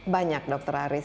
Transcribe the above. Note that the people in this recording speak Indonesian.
banyak dokter aris